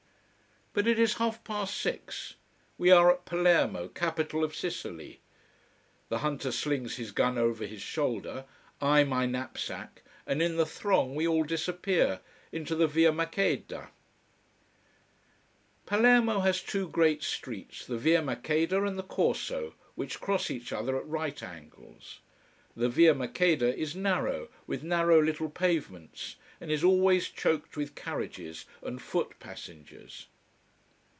But it is half past six. We are at Palermo, capital of Sicily. The hunter slings his gun over his shoulder, I my knapsack, and in the throng we all disappear, into the Via Maqueda. Palermo has two great streets, the Via Maqueda, and the Corso, which cross each other at right angles. The Via Maqueda is narrow, with narrow little pavements, and is always choked with carriages and foot passengers.